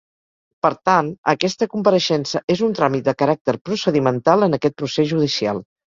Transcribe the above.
Per tant, aquesta compareixença és un tràmit de caràcter procedimental en aquest procés judicial.